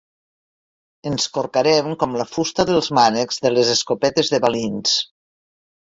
Ens corcarem com la fusta dels mànecs de les escopetes de balins.